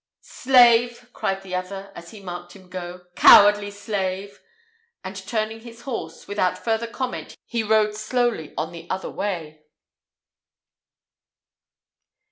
"Slave!" cried the other, as he marked him go; "cowardly slave!" and, turning his horse, without further comment he rode slowly on the other way.